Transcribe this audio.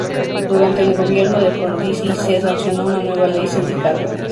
Durante el gobierno de Frondizi se sancionó una nueva Ley Sindical.